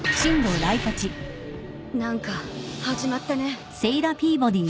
何か始まったね。